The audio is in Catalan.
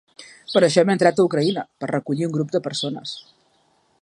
Per això hem entrat a Ucraïna, per recollir un grup de persones.